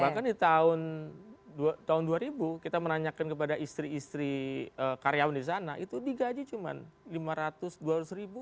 bahkan di tahun dua ribu kita menanyakan kepada istri istri karyawan di sana itu digaji cuma lima ratus dua ratus ribu